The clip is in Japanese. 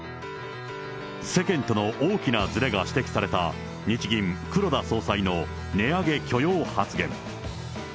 世間との大きなずれが指摘された、日銀、黒田総裁の値上げ許容発言。